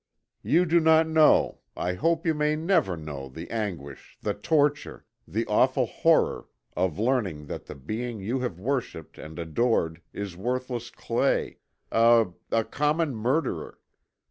You do not know, I hope you may never know the anguish, the torture, the awful horror, of learning that the being you have worshipped and adored is worthless clay, a a common murderer!